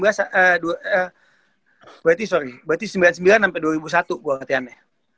berarti sorry berarti sembilan puluh sembilan sampai dua ribu satu gue latihannya